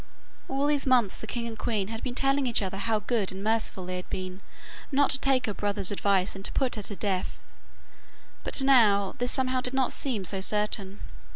All these months the king and queen had been telling each other how good and merciful they had been not to take her brother's advice and to put her to death. But now, this somehow did not seem so certain.